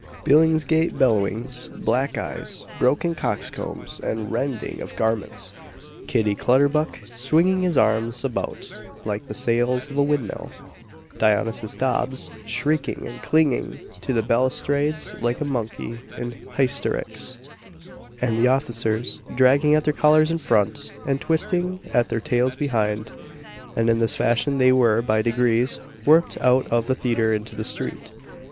Billingsgate bellowings, black eyes, broken coxcombs, and rending of garments; Kitty Clutterbuck swinging his arms about like the sails of a windmill; Dionysius Dobbs shrieking and clinging to the balustrades like a monkey in hysterics; and the officers dragging at their collars in front, and twisting at their tails behind; and in this fashion they were, by degrees, worked out of the theatre into the street.